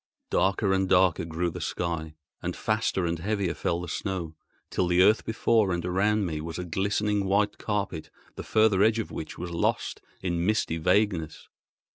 Darker and darker grew the sky, and faster and heavier fell the snow, till the earth before and around me was a glistening white carpet the further edge of which was lost in misty vagueness.